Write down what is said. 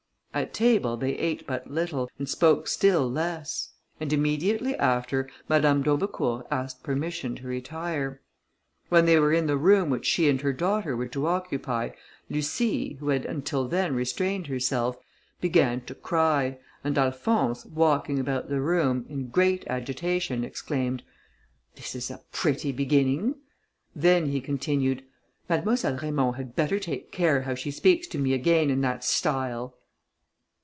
At table they ate but little, and spoke still less, and immediately after Madame d'Aubecourt asked permission to retire. When they were in the room which she and her daughter were to occupy, Lucie, who had until then restrained herself, began to cry, and Alphonse, walking about the room, in great agitation, exclaimed, "This is a pretty beginning!" then he continued, "Mademoiselle Raymond had better take care how she speaks to me again in that style."